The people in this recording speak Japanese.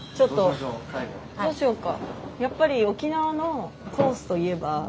どうしようか？